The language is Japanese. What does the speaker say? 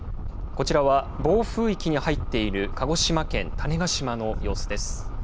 こちらは暴風域に入っている鹿児島県種子島の様子です。